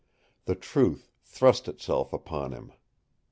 The truth thrust itself upon him.